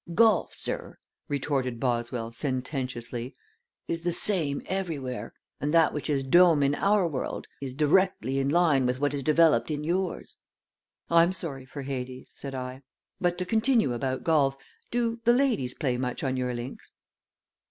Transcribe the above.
"Golf, sir," retorted Boswell, sententiously, "is the same everywhere, and that which is dome in our world is directly in line with what is developed in yours." "I'm sorry for Hades," said I; "but to continue about golf do the ladies play much on your links?"